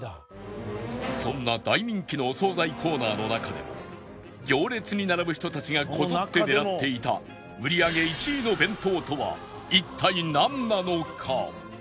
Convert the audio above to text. そんな大人気のお惣菜コーナーの中で行列に並ぶ人たちがこぞって狙っていた売り上げ１位の弁当とは一体なんなのか？